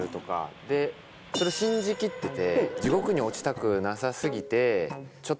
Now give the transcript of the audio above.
それ信じきってて。